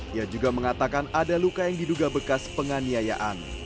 dia juga mengatakan ada luka yang diduga bekas penganiayaan